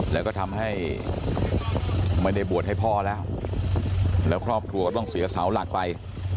แล้วก็ทำให้ไม่ได้บวชให้พ่อแล้วแล้วครอบครัวก็ต้องเสียเสาหลักไป